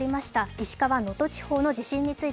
石川・能登地方の地震です。